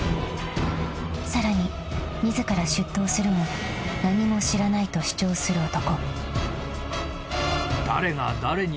［さらに自ら出頭するも何も知らないと主張する男］